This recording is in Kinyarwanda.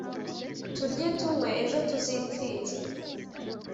«Turye, tunywe, ejo tuzipfire!»